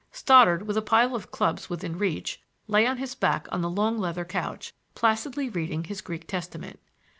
Stoddard, with a pile of clubs within reach, lay on his back on the long leather couch, placidly reading his Greek testament.